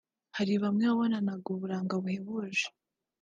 hari bamwe wabonaga b’uburanga buhebuje